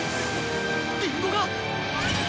リンゴが！